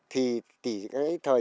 thì tỷ cái